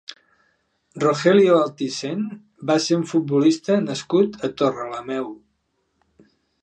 Rogelio Altisent va ser un futbolista nascut a Torrelameu.